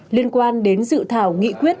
liên quan đến dự thảo nghị quyết